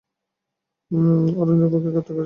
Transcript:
ওরা নিলুফারকে গ্রেফতার করেছে।